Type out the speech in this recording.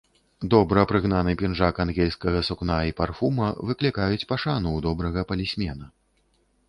Добра прыгнаны пінжак ангельскага сукна і парфума выклікаюць пашану ў добрага палісмена.